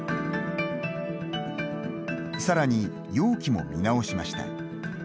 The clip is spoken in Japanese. さらに、容器も見直しました。